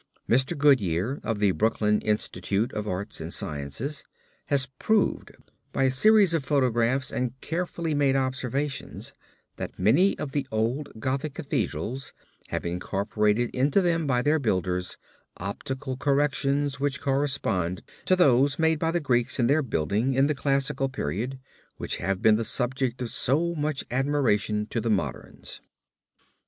Mr. Goodyear of the Brooklyn Institute of Arts and Sciences has proved by a series of photographs and carefully made observations, that many of the old Gothic Cathedrals have incorporated into them by their builders, optical corrections which correspond to those made by the Greeks in their building in the classical period, which have been the subject of so much admiration to the moderns.